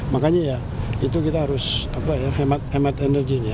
makanya ya itu kita harus hemat energinya